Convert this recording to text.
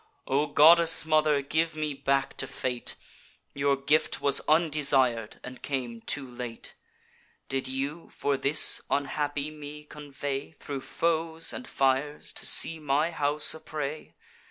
O goddess mother, give me back to Fate; Your gift was undesir'd, and came too late! Did you, for this, unhappy me convey Thro' foes and fires, to see my house a prey?